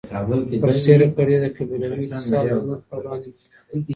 برسېره پر دې، د قبیلوي اتصال د نورو پر وړاندې مهم دی.